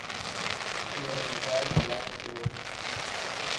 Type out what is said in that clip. يوموبائل ھلائي پيو